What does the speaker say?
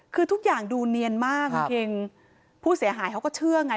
คือทุกอย่างดูเนียนมากคุณคิงผู้เสียหายเขาก็เชื่อไง